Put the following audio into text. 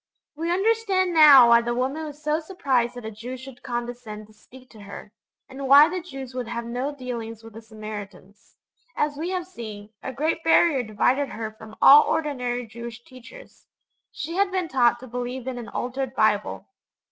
We understand now why the woman was so surprised that a Jew should condescend to speak to her, and why the Jews would have 'no dealings with the Samaritans.' As we have seen, a great barrier divided her from all ordinary Jewish teachers she had been taught to believe in an altered Bible.